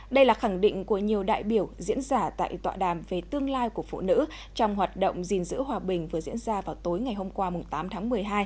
đây là khẳng định của nhiều đại biểu diễn giả tại tọa đàm về tương lai của phụ nữ trong hoạt động gìn giữ hòa bình vừa diễn ra vào tối ngày hôm qua tám tháng một mươi hai